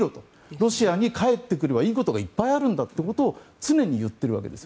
ロシアに帰ってくればいいことがいっぱいあるんだということを常に言っているわけです。